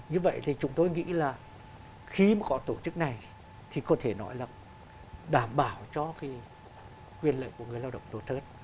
như vậy thì chúng tôi nghĩ là khi mà có tổ chức này thì có thể nói là đảm bảo cho cái quyền lợi của người lao động tốt hơn